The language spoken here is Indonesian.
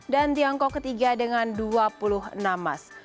dan tiongkok ketiga dengan dua puluh enam emas